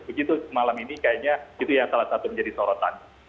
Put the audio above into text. begitu malam ini kayaknya itu yang salah satu menjadi sorotan